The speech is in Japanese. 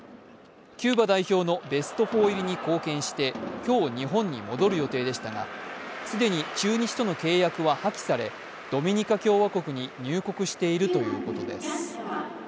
キューバ代表のベスト４入りに貢献して今日日本に戻る予定でしたが既に中日との契約は破棄され、ドミニカ共和国に入国しているということです。